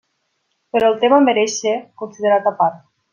Però el tema mereix ser considerat a part.